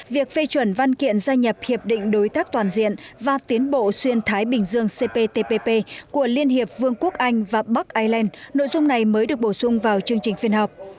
việc phê chuẩn văn kiện gia nhập hiệp định đối tác toàn diện và tiến bộ xuyên thái bình dương cptpp của liên hiệp vương quốc anh và bắc ireland nội dung này mới được bổ sung vào chương trình phiên họp